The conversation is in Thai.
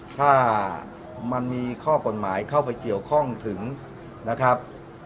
ถ้ามันมีข้อกฎหมายเข้าไปเกี่ยวข้องถึงนะครับ